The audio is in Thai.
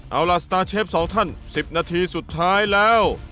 เอาล่ะสตาร์เชฟ๒ท่าน๑๐นาทีสุดท้ายแล้ว